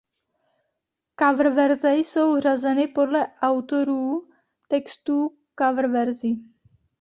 Coververze jsou řazeny podle autorů textů coververzí.